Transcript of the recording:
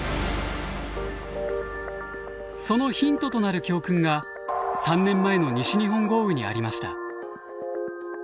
そのヒントとなる教訓が３年前の西日本豪雨にありました。